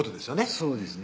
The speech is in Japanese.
そうですね